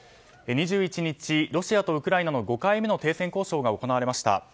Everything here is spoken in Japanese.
２１日、ロシアとウクライナの５回目の停戦交渉が行われました。